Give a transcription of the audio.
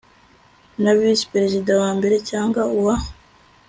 na visi perezida wa mbere cyangwa uwa